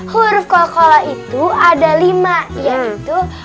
huruf kokolo itu ada lima yaitu